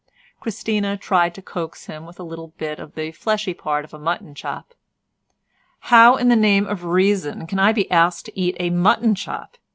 Christina tried to coax him with a little bit of the fleshy part of a mutton chop. "How in the name of reason can I be asked to eat a mutton chop?"